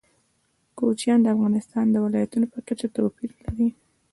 کوچیان د افغانستان د ولایاتو په کچه توپیر لري.